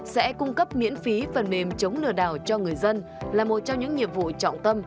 sẽ cung cấp miễn phí phần mềm chống lừa đảo cho người dân là một trong những nhiệm vụ trọng tâm